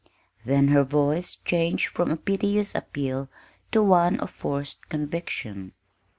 Then her voice changed from a piteous appeal to one of forced conviction.